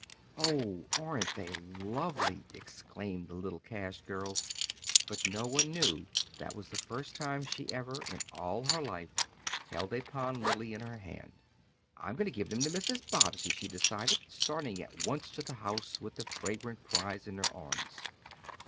"Oh, aren't they lovely!" exclaimed the little cash girl, but no one knew that was the first time she ever, in all her life, held a pond lily in her hand. "I'm going to give them to Mrs. Bobbsey," she decided, starting at once to the house with the fragrant prize in her arms.